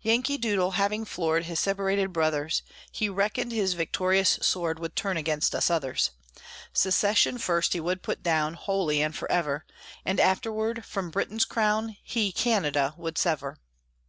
Yankee Doodle, having floored His separated brothers, He reckoned his victorious sword Would turn against us others; Secession first he would put down, Wholly and forever, And afterward, from Britain's crown, He Canada would sever.